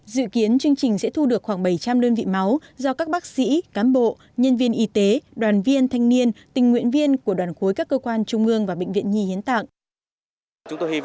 dự kiến chương trình sẽ thu được khoảng bảy trăm linh đơn vị máu do các bác sĩ cán bộ nhân viên y tế đoàn viên thanh niên tình nguyện viên của đoàn khối các cơ quan trung ương và bệnh viện nhi hiến tặng